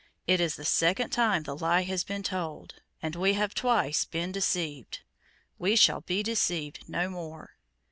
It is the second time the lie has been told, and we have twice been deceived. We shall be deceived no more.